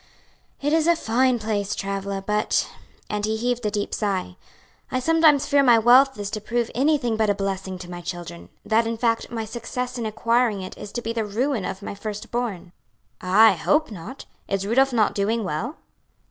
"It is a fine place, Travilla, but," and he heaved a deep sigh, "I sometimes fear my wealth is to prove anything but a blessing to my children; that in fact my success in acquiring it is to be the ruin of my first born." "Ah, I hope not! Is Rudolph not doing well?"